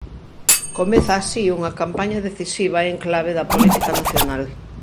Comeza así unha campaña decisiva en clave da política nacional.